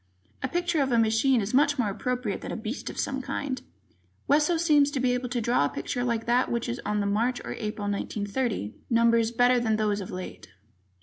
A picture of a machine is much more appropriate than a beast of some kind. Wesso seems to be able draw a picture like that which is on the March or April, 1930, numbers better than those of late.